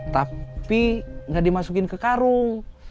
tapi nggak dimasukin ke karung